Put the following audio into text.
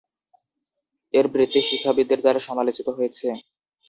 এর বৃত্তি শিক্ষাবিদদের দ্বারা সমালোচিত হয়েছে।